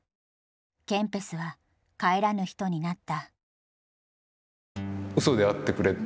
ケンペスは帰らぬ人になった。